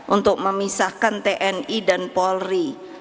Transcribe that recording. untuk memisahkan tni dan polri